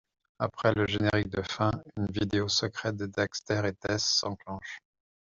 Après le générique de fin, une vidéo secrète de Daxter et Tess s'enclenche.